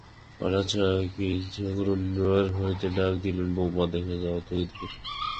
হঠাৎ সখী ঠাকরুন রোয়াক হইতে ডাক দিলেন-বৌমা, দেখে যাও তো এদিকে।